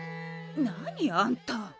何あんた。